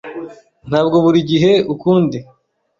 Ntabwo buri gihe ukundi